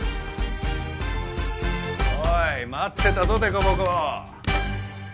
おい待ってたぞデコボコ。